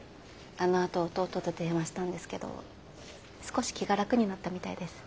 あのあと弟と電話したんですけど少し気が楽になったみたいです。